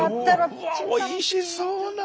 うわおいしそうな。